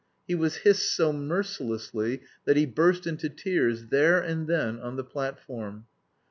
He was hissed so mercilessly that he burst into tears, there and then, on the platform.